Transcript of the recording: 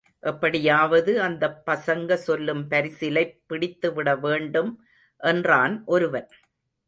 எப்படியாவது அந்தப் பசங்க செல்லும் பரிசலைப் பிடித்துவிட வேண்டும் என்றான் ஒருவன்.